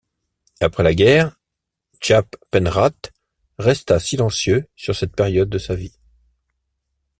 Après la guerre, Jaap Penraat resta silencieux sur cette période de sa vie.